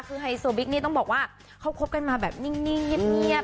คือไฮโซบิ๊กนี่ต้องบอกว่าเขาคบกันมาแบบนิ่งเงียบ